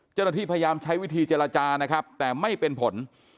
เจ้าหน้าที่พยายามใช้วิธีเจรจานะครับแต่ไม่เป็นผล